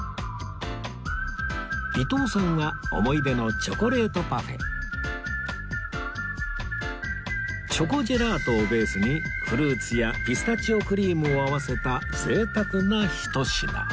伊東さんは思い出のチョコジェラートをベースにフルーツやピスタチオクリームを合わせた贅沢なひと品